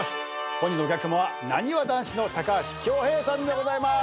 本日のお客さまはなにわ男子の高橋恭平さんでございます。